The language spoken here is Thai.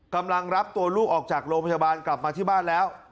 กำลังรับตัวลูกออกจากโรงพยาบาลกลับมาที่บ้านแล้ว